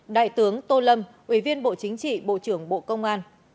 đại tướng tô lâm ủy viên bộ chính trị bộ trưởng bộ công an